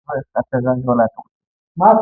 نه درناوی اړیکې له منځه وړي.